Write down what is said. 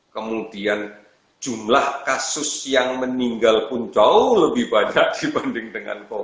kemudian jumlah kasus yang meninggal pun jauh lebih banyak dibanding dengan covid sembilan belas